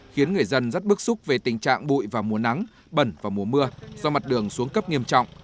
khiến người dân rất bức xúc về tình trạng bụi vào mùa nắng bẩn vào mùa mưa do mặt đường xuống cấp nghiêm trọng